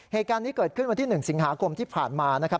เหตุการณ์นี้เกิดขึ้นวันที่๑สิงหาคมที่ผ่านมานะครับ